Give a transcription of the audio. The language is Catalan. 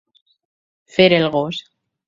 Fer el gos.